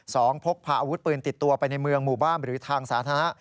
พกพาอาวุธปืนติดตัวไปในเมืองหมู่บ้านหรือทางสาธารณะ